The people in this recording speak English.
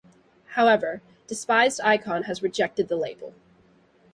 However, Despised Icon has rejected the label.